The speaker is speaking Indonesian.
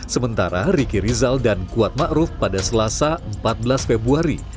sementara riki rizal dan kuat ma'ruf pada senin tiga belas februari